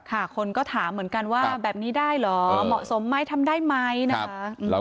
คนก็ถามเหมือนกันว่าแบบนี้ได้เหรอเหมาะสมไหมทำได้ไหมนะคะ